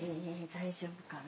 大丈夫かな。